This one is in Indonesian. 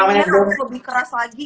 lebih keras lagi